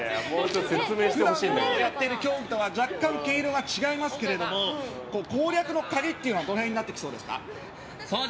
普段やっている競技とは若干、毛色が違いますが攻略の鍵はどの辺になってきそうですか？